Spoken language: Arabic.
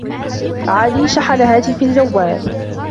علي شحن هاتفي الجوال.